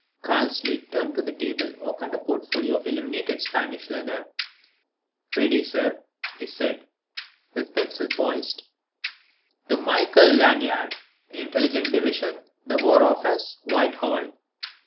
Karslake turned to the table and opened a portfolio of illuminated Spanish leather. "Ready, sir," he said, with pencil poised. _"To Michael Lanyard, Intelligence Division, the War Office, Whitehall.